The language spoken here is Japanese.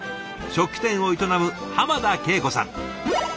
食器店を営む濱田惠子さん。